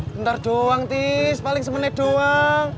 bentar doang tis paling semenit doang